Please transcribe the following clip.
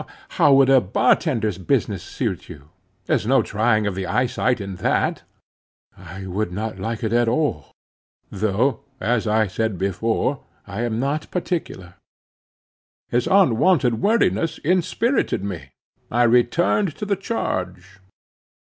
"How would a bar tender's business suit you? There is no trying of the eyesight in that." "I would not like it at all; though, as I said before, I am not particular." His unwonted wordiness inspirited me. I returned to the charge.